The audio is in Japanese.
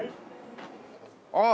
ああ。